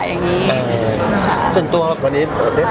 ส่วนตัวหรือว่าคุณครับ